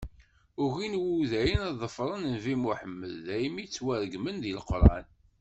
Ugin Wudayen ad ḍefren nnbi Muḥemmed, daymi ttwaregmen deg Leqran.